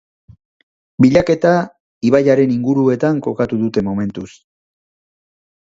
Bilaketa ibaiaren inguruetan kokatu dute momentuz.